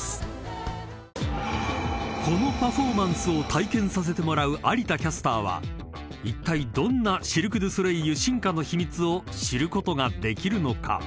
［このパフォーマンスを体験させてもらう有田キャスターはいったいどんなシルク・ドゥ・ソレイユ進化の秘密を知ることができるのか？］